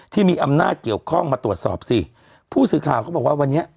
ที่มีอำนาจเกี่ยวข้องมาตรวจสอบสิผู้สื่อข่าวเขาบอกว่าวันนี้